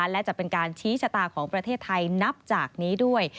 และจะเป็นการชี้ชะตาของประเทศไทยนับจากนี้ด้วย